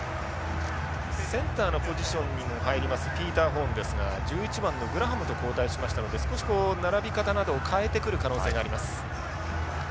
センターのポジションにも入りますピーターホーンですが１１番のグラハムと交代しましたので少し並び方などを変えてくる可能性があります。